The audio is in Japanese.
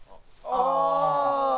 「ああ」